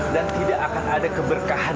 dan tidak akan ada keberkahan